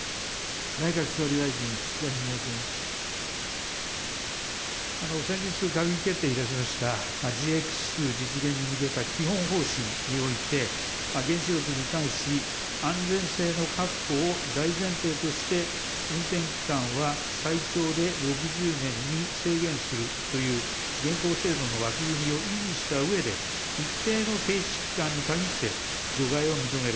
内閣総理大臣、先日、閣議決定をいたしました、ＧＸ実現に向けた基本方針において、原子力に関し、安全性の確保を大前提として、運転期間は最長で６０年に制限するという現行制度の枠組みを維持したうえで、一定の停止期間に限って除外を認める。